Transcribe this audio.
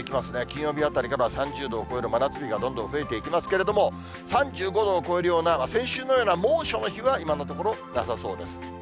金曜日あたりからは３０度を超える真夏日がどんどん増えていきますけれども、３５度を超えるような、先週のような猛暑の日は、今のところ、なさそうです。